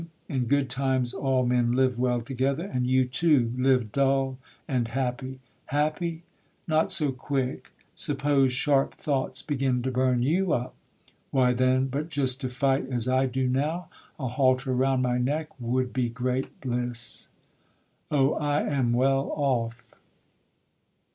in good times All men live well together, and you, too, Live dull and happy: happy? not so quick, Suppose sharp thoughts begin to burn you up? Why then, but just to fight as I do now, A halter round my neck, would be great bliss. O! I am well off.